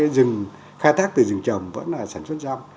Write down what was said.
nhưng khai thác từ rừng trầm vẫn là sản xuất răm